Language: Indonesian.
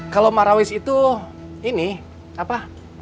kalau marawis itu ini apa